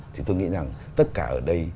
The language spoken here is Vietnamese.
thì tôi nghĩ rằng tất cả ở đây